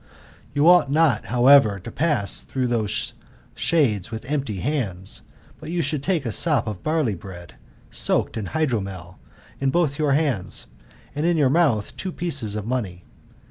Yotr ought not, however, to pass through those shades with empty hands, but should take a s<^ of barley bread, soaked in hydromel, in both your hatids, and in your mouth two pieces of money.